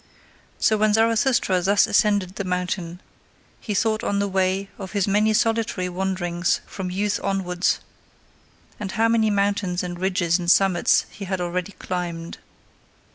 So when Zarathustra thus ascended the mountain, he thought on the way of his many solitary wanderings from youth onwards, and how many mountains and ridges and summits he had already climbed.